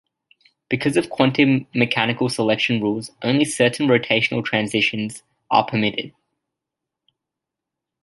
Because of quantum mechanical selection rules, only certain rotational transitions are permitted.